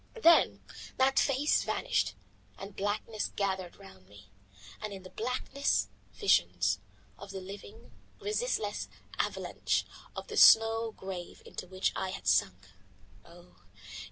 Then that face vanished and blackness gathered round me, and in the blackness visions: of the living, resistless avalanche, of the snow grave into which I had sunk oh!